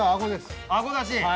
あごだし。